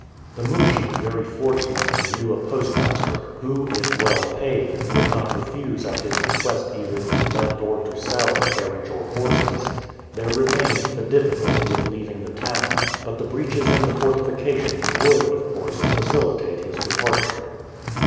The mujik very fortunately knew a postmaster who, if well paid, would not refuse at his request either to let or to sell a carriage or horses. There remained the difficulty of leaving the town, but the breaches in the fortifications would, of course, facilitate his departure.